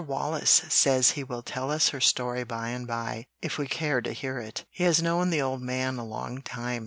Wallace says he will tell us her story by and by if we care to hear it. He has known the old man a long time."